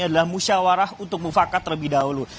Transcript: adalah musyawarah untuk mufakat terlebih dahulu